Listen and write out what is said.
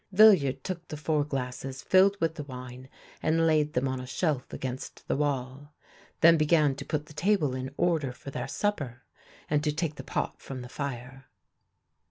Villiard took the four glasses filled with the wine and laid them on a shelf against the wall, then began to put the table in order for their supper, and to take the pot from the fire.